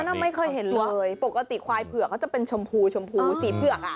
ดิจานะไม่เคยเห็นเลยปกติควายเผือกเขาจะเป็นชมพูสีเผือก